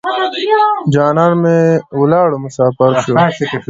جانان مې ولاړو مسافر شو.